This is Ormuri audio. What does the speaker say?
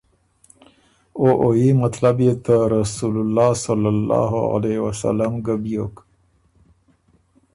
او او يي مطلب يې ته رسول الله صلی الله علیه وسلم ګۀ بیوک۔